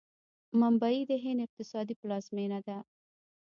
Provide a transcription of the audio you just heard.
ممبۍ د هند اقتصادي پلازمینه ده.